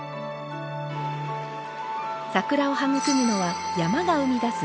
桜を育むのは山が生み出す聖なる水。